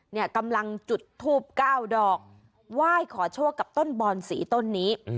เนี่ยกำลังจุดทูบ๙ดอกไหว้ขอโชคกับต้นบอนสีต้นนี้